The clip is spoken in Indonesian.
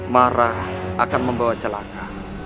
marah akan membawa celaka